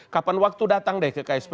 kapan waktu datang deh ke ksp